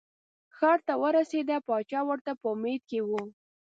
ښار ته ورسېده پاچا ورته په امید کې و.